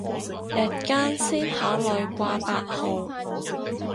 日間先考慮掛八號